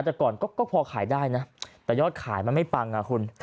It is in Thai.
แต่ก่อนก็พอขายได้นะแต่ยอดขายมันไม่ปังอ่ะคุณ